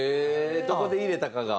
どこで入れたかが。